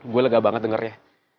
gue lega banget denger ya